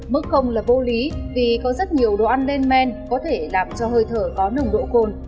mức không là vô lý vì có rất nhiều đồ ăn lên men có thể làm cho hơi thở có nồng độ cồn